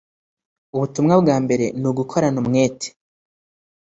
Ubutumwa bwambere nugukorana umwete.